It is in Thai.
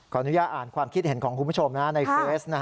อนุญาตอ่านความคิดเห็นของคุณผู้ชมในเฟซ